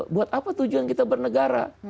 buat apa tujuan kita bernegara